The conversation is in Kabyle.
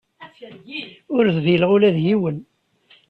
Ur dbileɣ ula d yiwen.